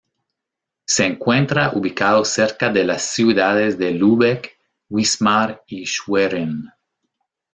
Se encuentra ubicado cerca de las ciudades de Lübeck, Wismar y Schwerin.